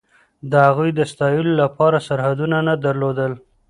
د هغوی د ستایلو لپاره سرحدونه نه درلودل.